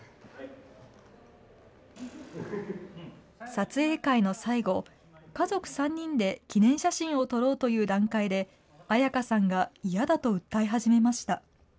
撮影会の最後、家族三人で記念写真を撮ろうという段階で、彩花さんが嫌だと訴え始めました。